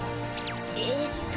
えっと？